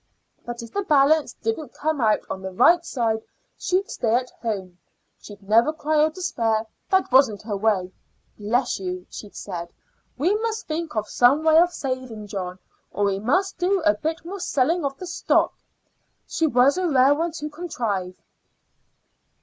But if the balance didn't come out on the right side she'd stay at home. She'd never cry or despair; that wasn't her way, bless you! She'd say, 'We must think of some way of saving, John, or we must do a bit more selling of the stock.' She was a rare one to contrive."